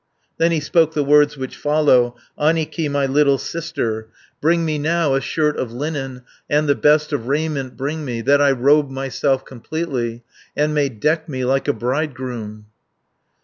Then he spoke the words which follow: "Annikki, my little sister, Bring me now a shirt of linen, And the best of raiment bring me, That I robe myself completely, And may deck me like a bridegroom."